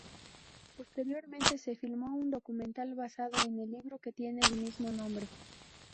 Posteriormente, se filmó un documental basado en el libro que tiene el mismo nombre.